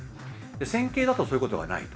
線形だとそういうことがないと。